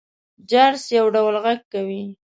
جرس يو ډول غږ کوي.